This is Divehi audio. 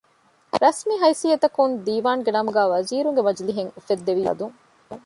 ރަސްމީ ހައިސިއްޔަތަކުން ދީވާންގެ ނަމުގައި ވަޒީރުންގެ މަޖިލީހެއް އުފެއްދެވީވެސް މި ރަދުން